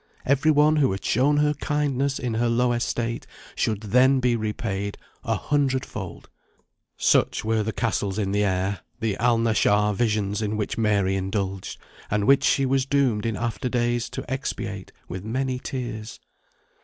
Every one who had shown her kindness in her low estate should then be repaid a hundred fold. Such were the castles in air, the Alnaschar visions in which Mary indulged, and which she was doomed in after days to expiate with many tears.